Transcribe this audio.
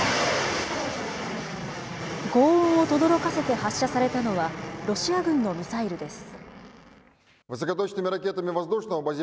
ごう音をとどろかせて発射されたのは、ロシア軍のミサイルです。